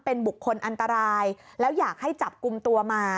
เป็นบุคคลอันตรายแล้วอยากให้จับกลุ่มตัวมา